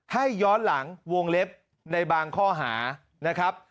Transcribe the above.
ย้อนหลังวงเล็บในบางข้อหานะครับ